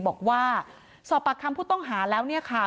บอกว่าสอบปากคำผู้ต้องหาแล้วเนี่ยค่ะ